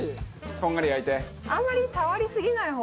こんがり焼いて。